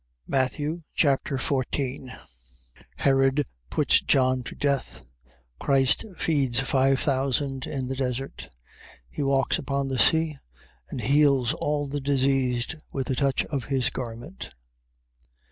Matthew Chapter 14 Herod puts John to death. Christ feeds five thousand in the desert. He walks upon the sea, and heals all the diseased with the touch of his garment.